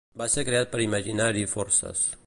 Va ser creat per Imaginary Forces.